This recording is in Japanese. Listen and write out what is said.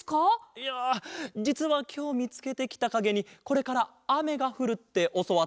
いやじつはきょうみつけてきたかげにこれからあめがふるっておそわってな。